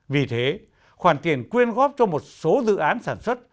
vì thế khoản tiền quyên góp cho một số dự án sản xuất